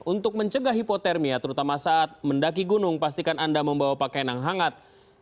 untuk mencegah hipotermia terutama saat mendaki gunung pastikan anda membawa pakaian yang hangat